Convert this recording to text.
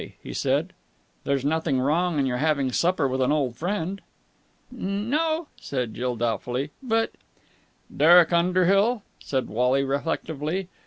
he said. "There's nothing wrong in your having supper with an old friend." "N no," said Jill doubtfully. "But...." "Derek Underhill," said Wally reflectively.